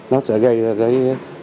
nó sẽ gây ra cái